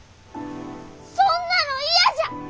そんなの嫌じゃ！